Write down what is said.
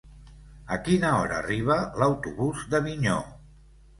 A quina hora arriba l'autobús d'Avinyó?